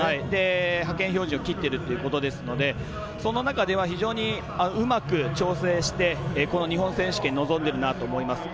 派遣標準を切っているということですのでその中では非常にうまく調整してこの日本選手権臨んでいるなと思います。